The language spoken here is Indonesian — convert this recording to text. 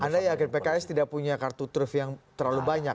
anda yakin pks tidak punya kartu truf yang terlalu banyak